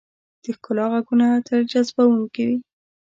د ښکلا ږغونه تل جذبونکي وي.